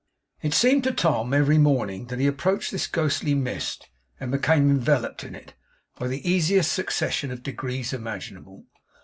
It seemed to Tom, every morning, that he approached this ghostly mist, and became enveloped in it, by the easiest succession of degrees imaginable.